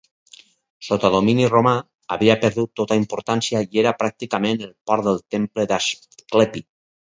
Sota domini romà, havia perdut tota importància i era pràcticament el port del Temple d'Asclepi.